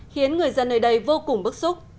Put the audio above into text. khiến người dân nơi đây vô cùng bức xúc